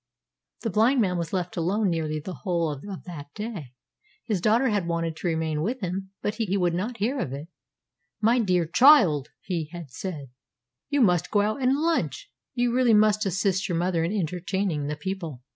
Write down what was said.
The blind man was left alone nearly the whole of that day. His daughter had wanted to remain with him, but he would not hear of it. "My dear child," he had said, "you must go out and lunch. You really must assist your mother in entertaining the people."